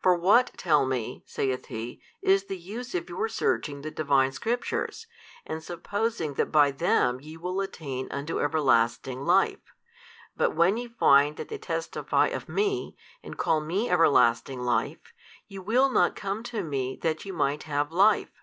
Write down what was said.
For what tell me (saith He) is the use of your searching the Divine Scriptures, and supposing that by them ye will attain unto everlasting life, but when ye find that they testify of Me and call Me everlasting life, ye will not come to Me that ye might have life?